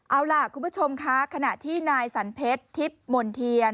เอาล่ะคุณผู้ชมคะขณะที่นายสันเพชรทิพย์มนเทียน